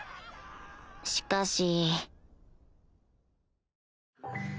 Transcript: しかし